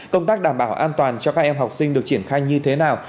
công tác đảm bảo an toàn cho các em học sinh được triển khai như thế nào